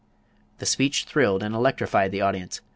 The speech thrilled and electrified the audience.